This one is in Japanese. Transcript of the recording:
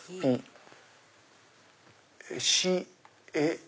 「し」「え」。